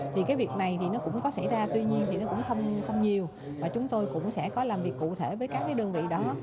thì cái việc này thì nó cũng có xảy ra tuy nhiên thì nó cũng không nhiều và chúng tôi cũng sẽ có làm việc cụ thể với các cái đơn vị đó